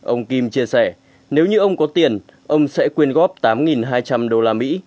ông kim chia sẻ nếu như ông có tiền ông sẽ quyên góp tám hai trăm linh đô la mỹ